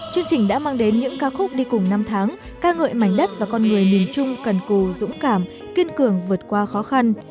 chương trình đã mang đến những ca khúc đi cùng năm tháng ca ngợi mảnh đất và con người miền trung cần cù dũng cảm kiên cường vượt qua khó khăn